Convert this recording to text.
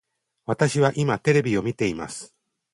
私は今テレビを見ています